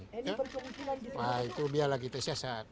nah itu biarlah kita siasat